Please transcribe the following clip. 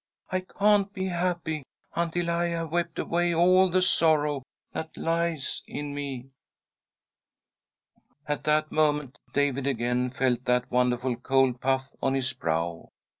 I can't be happy until I have wept away all the sorrow that lies in me. At that moment David again felt that wonderful cold puff on his brow.